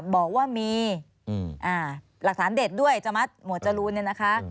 บอกว่ามีหลักฐานเด็ดด้วยจะมัดหมวดจรูนเนี่ยนะคะ